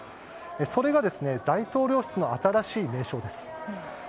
それが大統領室の新しい名称です。